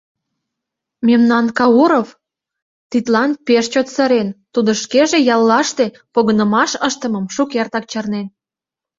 Мемнан Кауров тидлан пеш чот сырен, тудо шкеже яллаште погынымаш ыштымым шукертак чарнен.